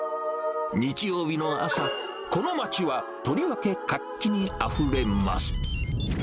日曜日の朝、この街はとりわけ活気にあふれます。